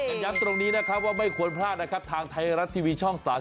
สัยยังตรงนี้ว่าไม่ควรพลากาศนะครับทางไทยรัตทร์ทีวีช่อง๓๒